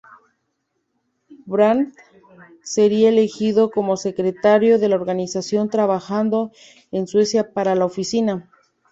Brandt sería elegido como Secretario de la organización, trabajando en Suecia para la Oficina.